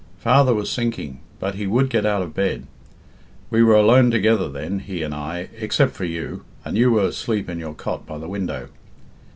Father was sinking, but he would get out of bed. We were alone together then, he and I, except for you, and you were asleep in your cot by the window.